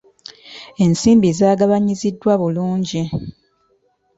Ensimbi zaagabanyizibwa bulungi.